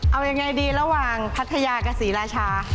เอายังไงดีระหว่างพัทยากับศรีราชา